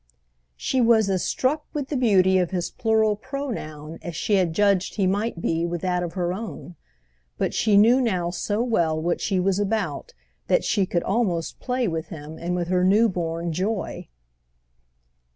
She was as struck with the beauty of his plural pronoun as she had judged he might be with that of her own; but she knew now so well what she was about that she could almost play with him and with her new born joy.